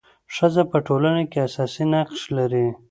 ښځه په ټولنه کي اساسي نقش لري.